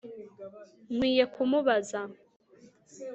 Nkwiye kumubaza